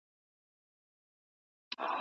چي تر شا وه پاته سوي دوه ملګري